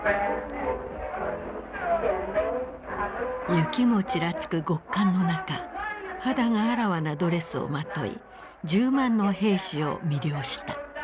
雪もちらつく極寒の中肌があらわなドレスをまとい１０万の兵士を魅了した。